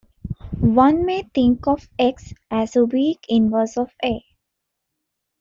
One may think of "x" as a "weak inverse" of "a".